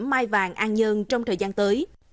mai vàng an dương trong thời gian tới